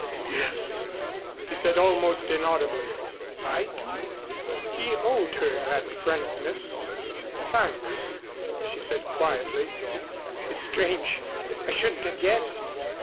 "Yes," he said almost inaudibly. "I do." He owed her that frankness. "Thanks," she said quietly. "It's strange I shouldn't have guessed.